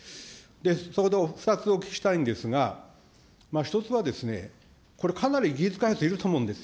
そこでお２つお聞きしたいんですが、一つは、これ、かなり技術開発、いると思うんですよ。